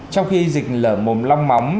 trong khi dịch lở mồm long móng